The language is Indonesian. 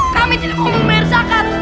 kami tidak mau membayar zakat